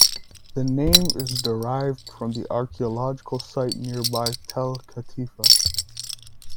The name is derived from the archaeological site nearby, Tel Katifa.